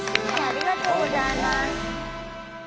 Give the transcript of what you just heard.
ありがとうございます。